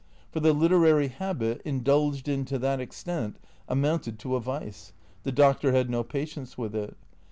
For the literary habit, indulged in to that extent, amounted to a vice. The Doctor had no patience with it.